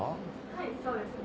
はいそうですね。